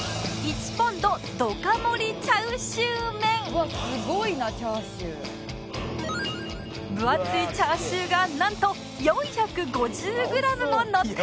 「うわっすごいなチャーシュー」分厚いチャーシューがなんと４５０グラムものっているんです！